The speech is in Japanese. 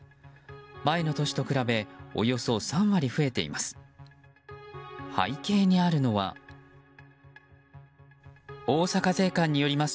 前の年と比べおよそ３割増えています。